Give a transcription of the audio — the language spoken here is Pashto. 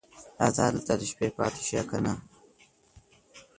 راځه دلته د شپې پاتې شه کنه